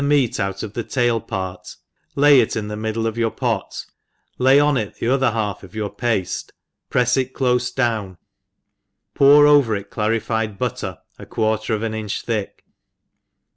49 meat out of the tail part, lay it In the middl«r of your pot, lay on it the other half of your pafte, prefs itclofedown, pourover it clarified butter, a quarter of an inch thick.